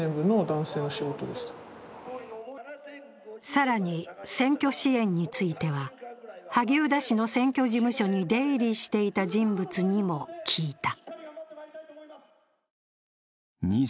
更に選挙支援については、萩生田氏の選挙事務所に出入りしていた人物にも聞いた。